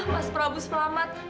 mas prabu selamat